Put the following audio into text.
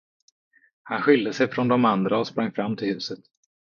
Han skilde sig från de andra och sprang fram till huset.